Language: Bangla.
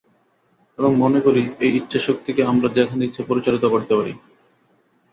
এবং মনে করি, এই ইচ্ছাশক্তিকে আমরা যেখানে ইচ্ছা পরিচালিত করিতে পারি।